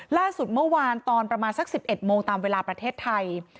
ล่าสุดเมื่อวานตอนประมาณสัก๑๑โมงตามเวลาประเทศไทย